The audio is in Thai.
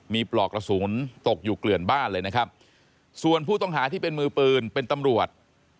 มีปลอกกระสุนตกอยู่เกลื่อนบ้านเลยนะครับส่วนผู้ต้องหาที่เป็นมือปืนเป็นตำรวจ